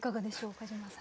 岡島さん。